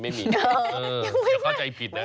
อย่าเข้าใจผิดนะ